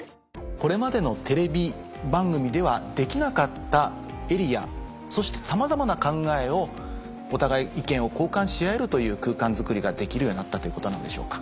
これまでのテレビ番組ではできなかったエリアそしてさまざまな考えをお互い意見を交換し合えるという空間づくりができるようになったということなんでしょうか？